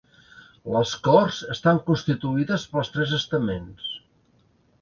Les corts estan constituïdes pels tres estaments: